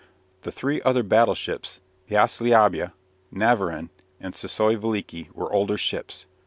The three other battleships, the "Ossliabya," "Navarin," and "Sissoi Veliki" were older ships.